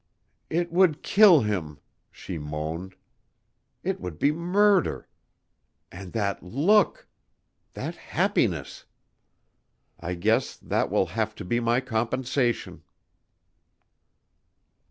"It would kill him!" she moaned. "It would be murder. And that look! That happiness! I guess that will have to be my compensation."